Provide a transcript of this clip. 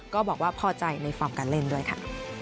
ก็บอกว่าพอใจในฟอร์มการเล่นด้วยค่ะ